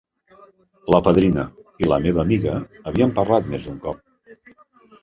La padrina i la meva amiga havien parlat més d'un cop.